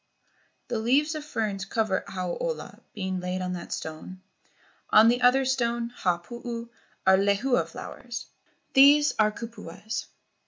The leaves of ferns cover Hau ola, being laid on that stone. On the other stone, Ha puu, are lehua flowers. These are kupuas."